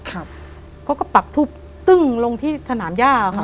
เขาก็ปักทุบตึ้งลงที่สนามย่าค่ะ